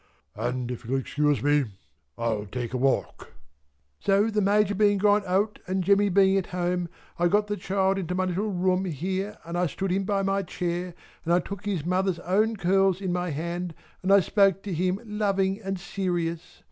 And if you'll excuse me, I'll take a walk." So the Major being gone out and Jemmy being at home, I got the child into my little room here and I stood him by my chair and I took his mother's own curls in my hand and I spoke to him loving and serious.